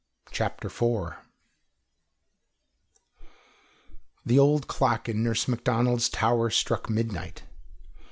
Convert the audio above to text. CHAPTER IV The old clock in Nurse Macdonald's tower struck midnight.